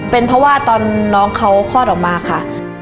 เป็นเพราะว่าตอนน้องเขาคลอดออกมาค่ะ